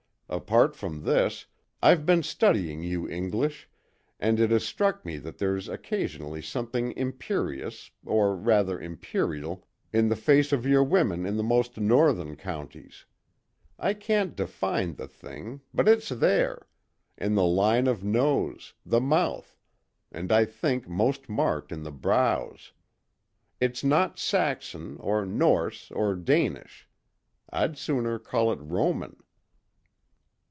Apart from this, I've been studying you English and it has struck me that there's occasionally something imperious, or rather imperial, in the faces of your women in the most northern counties. I can't define the thing, but it's there in the line of nose, the mouth, and I think most marked in the brows. It's not Saxon, or Norse, or Danish. I'd sooner call it Roman."